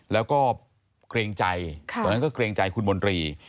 แล้วก็เกรงใจตอนนั้นก็เกรงใจคุณมนตรี